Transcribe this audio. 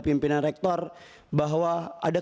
pimpinan rektor bahwa ada